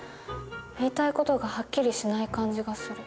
言いたい事がはっきりしない感じがする。